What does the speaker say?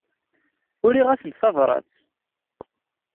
Uriɣ-asent tabrat.